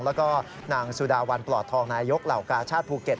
แล้วก็นางสุดาวันปลอดทองนายกเหล่ากาชาติภูเก็ต